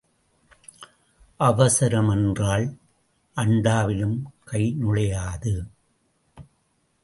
அவசரம் என்றால் அண்டாவிலும் கை நுழையாது.